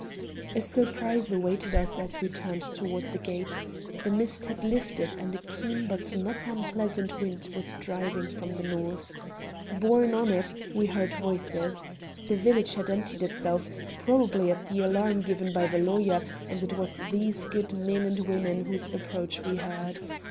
A surprise awaited us as we turned toward the gate. The mist had lifted and a keen but not unpleasant wind was driving from the north. Borne on it, we heard voices. The village had emptied itself, probably at the alarm given by the lawyer, and it was these good men and women whose approach we heard.